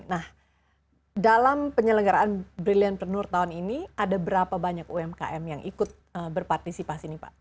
nah dalam penyelenggaraan brilliant reno tahun ini ada berapa banyak umkm yang ikut berpartisi pas ini pak